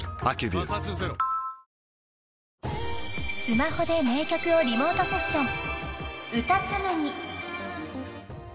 ［スマホで名曲をリモートセッション］